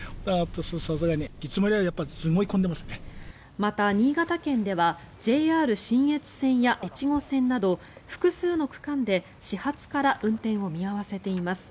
また新潟県ではＪＲ信越線や越後線など複数の区間で始発から運転を見合わせています。